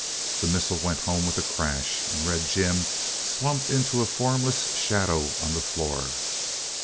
The missile went home with a crash and Red Jim slumped into a formless shadow on the floor.